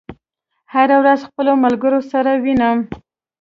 هره ورځ خپلو ملګرو سره وینم